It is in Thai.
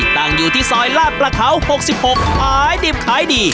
ตั้งอยู่ที่ซอยลาดประเขา๖๖ขายดิบขายดี